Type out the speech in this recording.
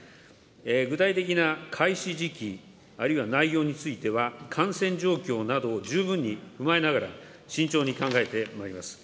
具体的な開始時期、あるいは内容については、感染状況などを十分に踏まえながら、慎重に考えてまいります。